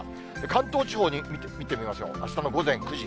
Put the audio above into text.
関東地方を見てみましょう、あしたの午前９時。